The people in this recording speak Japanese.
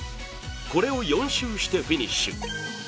これを４周してフィニッシュ。